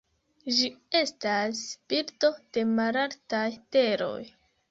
Ĝi estas birdo de malaltaj teroj.